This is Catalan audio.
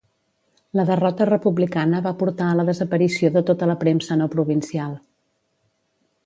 La derrota republicana va portar a la desaparició de tota la premsa no provincial